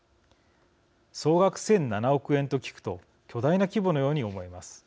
総額１００７億円と聞くと巨大な規模のように思えます。